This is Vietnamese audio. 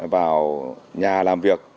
vào nhà làm việc